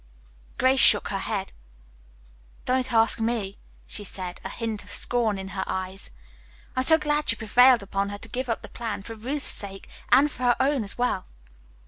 Grace shook her head. "Don't ask me," she said, a hint of scorn in her eyes. "I am so glad you prevailed upon her to give up the plan, for Ruth's sake and for her own as well."